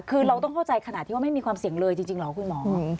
คือเราต้องเข้าใจขนาดที่ว่าไม่มีความเสี่ยงเลยจริงเหรอคุณหมอ